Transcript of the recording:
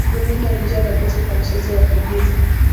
runinga ni njia thabiti kwa michezo ya kuigiza